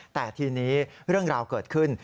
แต่ทีนี้เรื่องราวเกิดขึ้น